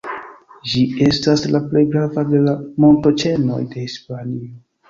Ĝi estas la plej grava de la montoĉenoj de Hispanio.